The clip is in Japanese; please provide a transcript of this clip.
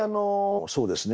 そうですね